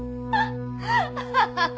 アハハハ！